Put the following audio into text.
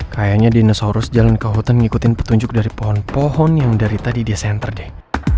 kayaknya dinosaurus jalan ke hutan ngikutin petunjuk dari pohon pohon yang dari tadi dia center deh